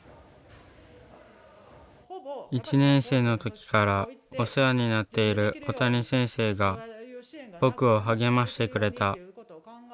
１年生の時からお世話になっているおたに先生が僕を励ましてくれた。